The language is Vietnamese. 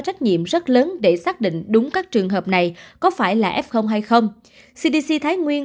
trách nhiệm rất lớn để xác định đúng các trường hợp này có phải là f hay không cdc thái nguyên